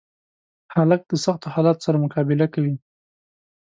هلک د سختو حالاتو سره مقابله کوي.